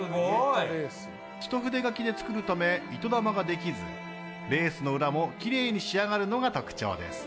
一筆書きで作るため糸玉ができずレースの裏もきれいに仕上がるのが特徴です。